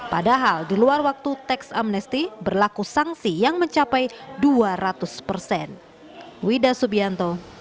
padahal di luar waktu teks amnesti berlaku sanksi yang mencapai dua ratus persen